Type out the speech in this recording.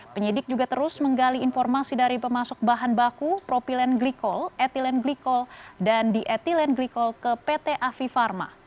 penyidik juga terus menggali informasi dari pemasok bahan baku propilen glikol etilen glikol dan dietilen glikol ke pt afifarma